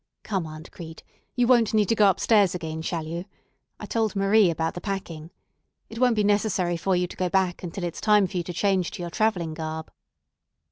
Come, Aunt Crete, you won't need to go up stairs again, shall you? I told Marie about the packing. It won't be necessary for you to go back until it's time for you to change to your travelling garb."